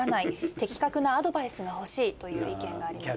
的確なアドバイスが欲しいという意見がありました。